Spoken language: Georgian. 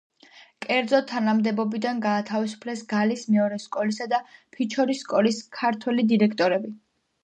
კერძოდ, თანამდებობიდან გაათავისუფლეს გალის მეორე სკოლისა და ფიჩორის სკოლის ქართველი დირექტორები.